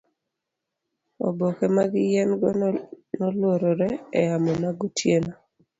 oboke mag yien go neluorore e yamo magotieno